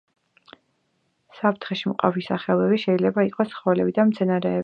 საფრთხეში მყოფი სახეობები შეიძლება იყოს ცხოველები და მცენარეები.